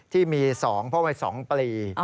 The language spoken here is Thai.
ที่มี๒เพราะวัย๒ปลี